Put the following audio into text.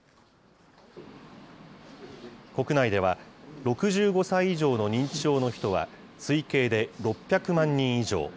国内では６５歳以上の認知症の人は、推計で６００万人以上。